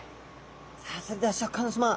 さあそれではシャーク香音さま